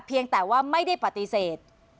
เพียงแต่ว่าไม่ได้ปฏิเสธ